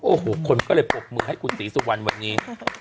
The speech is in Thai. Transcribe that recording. โอ้โหคนก็เลยปรบมือให้คุณศรีสุวรรณวันนี้